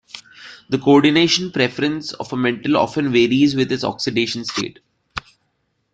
The coordination preference of a metal often varies with its oxidation state.